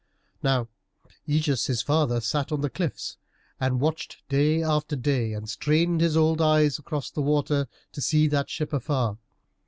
Now Ægeus his father sat on the cliffs and watched day after day, and strained his old eyes across the waters to see the ship afar.